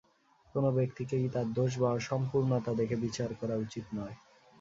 কোন ব্যক্তিকেই তার দোষ বা অসম্পূর্ণতা দেখে বিচার করা উচিত নয়।